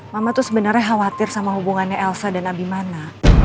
mama tuh sebenernya khawatir sama hubungannya elsa dan abimana